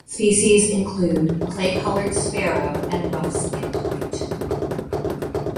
Faunal species include the Clay-colored sparrow and Rough-Skinned Newt.